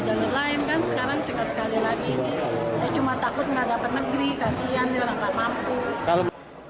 jalur lain kan sekarang sekali lagi ini saya cuma takut gak dapat negeri kasian nih orang tak mampu